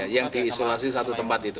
yang diisolasi satu tempat itu